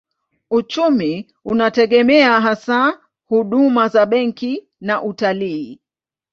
Uchumi unategemea hasa huduma za benki na utalii.